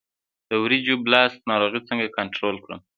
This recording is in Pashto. د وریجو بلاست ناروغي څنګه کنټرول کړم؟